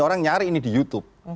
orang nyari ini di youtube